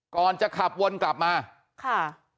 ก่อนจะขับวนกลับมาค่ะ